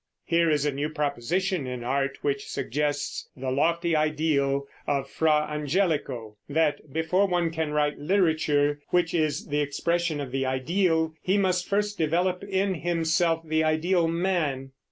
Here is a new proposition in art which suggests the lofty ideal of Fra Angelico, that before one can write literature, which is the expression of the ideal, he must first develop in himself the ideal man.